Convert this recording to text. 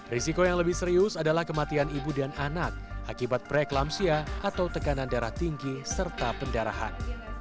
risiko yang lebih serius adalah kematian ibu dan anak akibat preeklampsia atau tekanan darah tinggi serta pendarahan